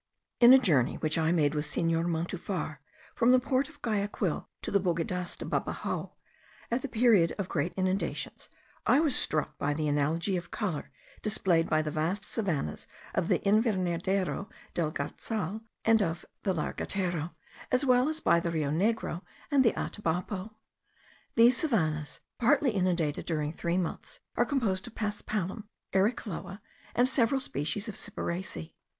In a journey which I made with Senor Montufar from the port of Guayaquil to the Bodegas de Babaojo, at the period of the great inundations, I was struck by the analogy of colour displayed by the vast savannahs of the Invernadero del Garzal and of the Lagartero, as well as by the Rio Negro and the Atabapo. These savannahs, partly inundated during three months, are composed of paspalum, eriochloa, and several species of cyperaceae.